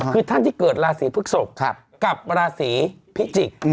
คือท่านที่เกิดราศีพฤกษกกับราศีพิจิกษ์